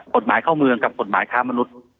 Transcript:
เข้าเมืองกับกฎหมายค้ามนุษย์